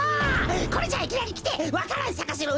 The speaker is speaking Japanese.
これじゃいきなりきて「わか蘭さかせろ！」